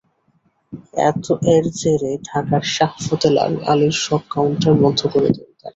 এর জেরে ঢাকার শাহ ফতেহ আলীর সব কাউন্টার বন্ধ করে দেন তাঁরা।